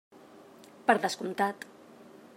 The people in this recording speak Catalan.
Per descomptat.